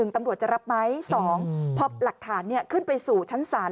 ตำรวจจะรับไหม๒พอหลักฐานขึ้นไปสู่ชั้นศาล